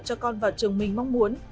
cho con vào trường mình mong muốn